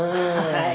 はい。